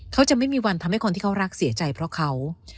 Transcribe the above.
เขาจะไม่มีวันทำให้คนที่เขารักเสียใจเพราะเขา